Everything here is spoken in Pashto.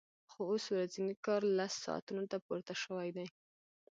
خو اوس ورځنی کار لسو ساعتونو ته پورته شوی دی